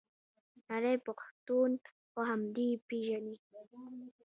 نړۍ پښتون په همدې پیژني.